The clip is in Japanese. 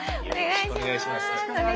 よろしくお願いします。